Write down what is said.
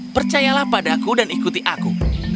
percayalah padaku dan ikuti aku